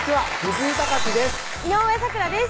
井上咲楽です